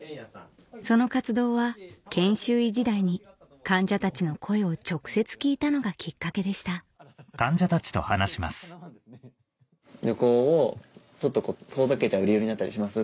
その活動は研修医時代に患者たちの声を直接聞いたのがきっかけでした旅行を遠ざけちゃう理由になったりします？